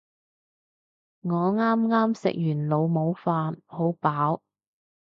我啱啱食完老母飯，好飽